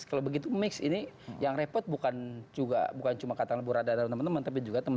kalau begitu mix ini yang repot bukan juga bukan cuma kata bu rada dan teman teman tapi juga teman teman